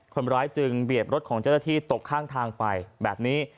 คนร้ายจึงเบียดรถของเจ้าหน้าที่ตกข้างทางไปแบบนี้